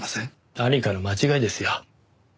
何かの間違いですよ。